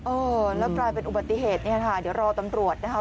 เออแล้วกลายเป็นอุบัติเหตุเนี่ยค่ะเดี๋ยวรอตำรวจนะคะ